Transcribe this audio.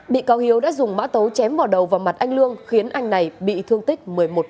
bị cáo hiếu đã dùng mã tấu chém vào đầu vào mặt anh lương khiến anh này bị thương tích một mươi một